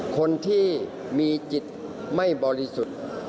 คนที่มีจิตไม่บริสุทธิ์